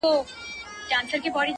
د باندي الوزي د ژمي ساړه توند بادونه-